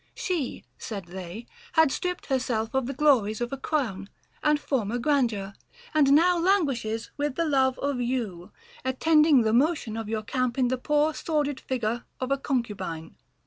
She, said they, has stripped herself of the glories of a crown and former grandeur, and now languishes with the love of yon, attending the motion of your camp in the poor sordid figure of a concubine.